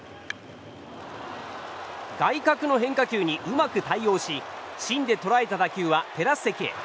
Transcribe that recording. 外角の変化球にうまく対応し芯で捕らえた打球はテラス席へ。